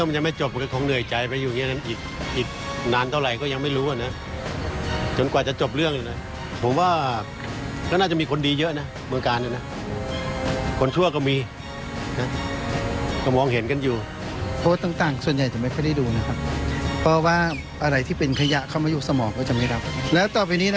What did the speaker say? ยาท่าน้ำขาวไทยนครปวดท้องเสียขับลมแน่นท้อง